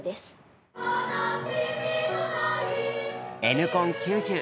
「Ｎコン９０」